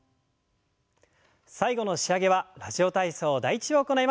最後の仕上げは「ラジオ体操第１」を行います。